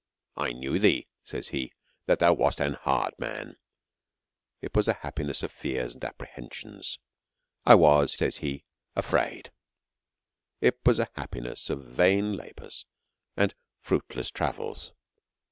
I knew thee, says he, that thou wast an hard man : It was an happiness of fears and apprehensions. I was, says he, afraid : It was an happiness of vain labours and fruitless travails.